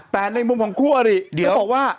แต่ในมุมของคู่อริเขาบอกว่า